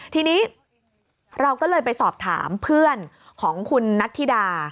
ทีนี้เราก็เลยไปสอบถามเพื่อนของคุณนัทธิดา